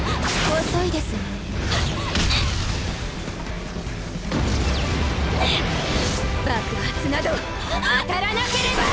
遅いですわ爆発など当たらなければ！